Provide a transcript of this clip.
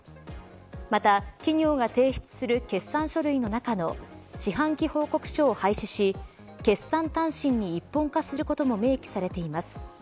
また、企業が提出する決算書類の中の四半期報告書を廃止し決算短信に一本化することも明記されています。